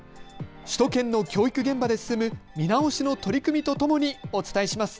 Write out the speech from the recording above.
首都圏の教育現場で進む見直しの取り組みとともにお伝えします。